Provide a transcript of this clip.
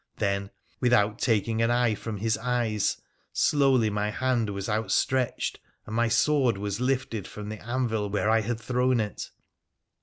Then, without taking an eye from his eyes, slowly my hand was outstretched and my sword was lifted from the anvil where I had thrown it.